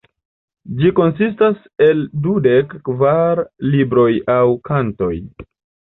Ĝi konsistas el dudek kvar libroj aŭ kantoj.